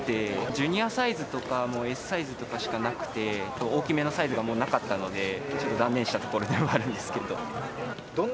ジュニアサイズとか、もうＳサイズしかなくて、大きめのサイズがもうなかったので、ちょっと断念したところではあるんですけど。